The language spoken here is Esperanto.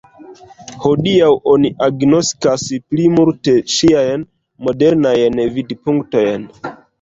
Hodiaŭ oni agnoskas pli multe ŝiajn modernajn vidpunktojn.